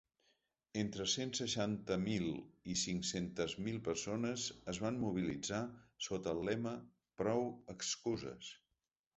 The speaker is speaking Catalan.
Entre cent seixanta mil i cinc-cents mil persones es van mobilitzar sota el lema Prou excuses.